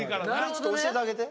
ちょっと教えてあげて。